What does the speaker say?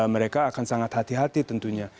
mereka akan sangat hati hati tentunya